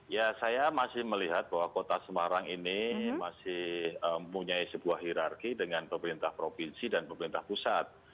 ya saya masih melihat bahwa kota semarang ini masih punya sebuah hirarki dengan pemerintah provinsi dan pemerintah pusat